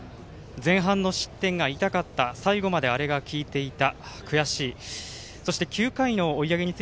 前半の失点が痛かった最後まであれが効いていた。